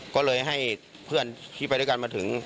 ก็เลยให้เพื่อนที่ไปด้วยกันมาถึง